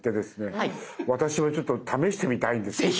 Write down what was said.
私もちょっと試してみたいんですけど。